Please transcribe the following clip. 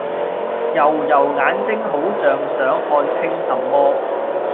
揉揉眼睛好像想看清什麼